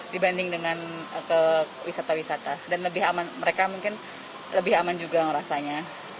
dibanding dengan ke wisata wisata dan lebih aman mereka mungkin lebih aman juga ngerasanya